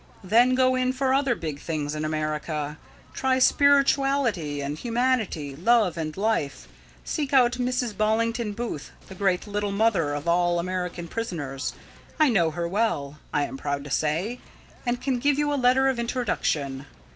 "Then go in for other big things in America. Try spirituality and humanity; love and life. Seek out Mrs. Ballington Booth, the great 'Little Mother' of all American prisoners. I know her well, I am proud to say, and can give you a letter of introduction.